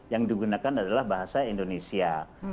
yang digunakan adalah bahasa indonesia